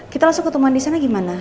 kita langsung ketemuan disana gimana